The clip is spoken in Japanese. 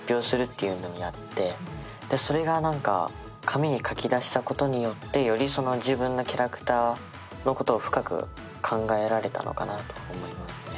紙に書き出したことによって、より自分のキャラクターのことを深く考えられたのかなと思います。